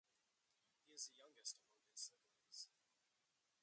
He is the youngest among his siblings.